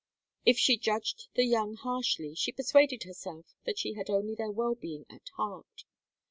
If she judged the young harshly, she persuaded herself that she had only their well being at heart.